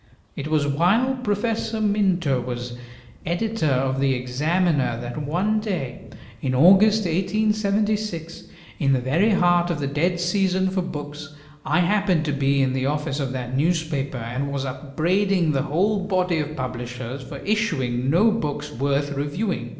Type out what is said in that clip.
It was while Professor W. Minto was editor of the "Examiner," that one day in August, 1876, in the very heart of the dead season for books, I happened to be in the office of that newspaper, and was upbraiding the whole body of publishers for issuing no books worth reviewing.